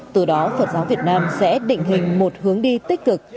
từ đó phật giáo việt nam sẽ định hình một hướng đi tích cực